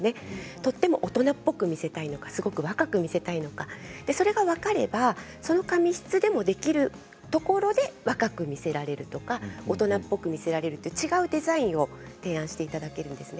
とても大人っぽく見せたいのか若く見せたいのかそれが分かればその髪質でもできるところで若く見せられる大人っぽく見せられると違うデザインを提案していただけるんですね。